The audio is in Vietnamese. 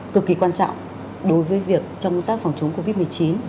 cực kỳ quan trọng đối với việc trong công tác phòng chống covid một mươi chín